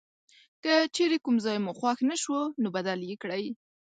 که چیرې کوم ځای مو خوښ نه شو نو بدل یې کړئ.